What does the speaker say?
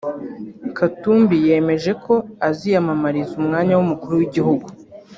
Katumbi yemeje ko aziyamamariza umwanya w’Umukuru w’Igihugu